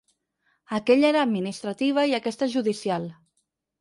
Aquella era administrativa i aquesta és judicial.